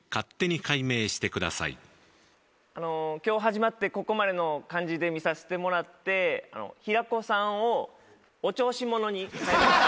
今日始まってここまでの感じで見さしてもらって平子さんをお調子者に変えます。